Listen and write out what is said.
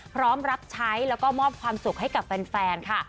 พร้อมรับใช้แล้วก็มอบความสุขให้กับแฟนค่ะ